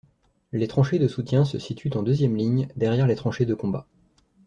Les tranchées de soutien se situent en deuxième ligne, derrière les tranchées de combat.